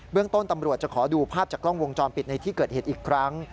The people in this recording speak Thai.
เรื่องต้นตำรวจจะขอดูภาพจากกล้องวงจรปิดในที่เกิดเหตุอีกครั้ง